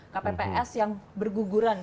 kpps yang berguguran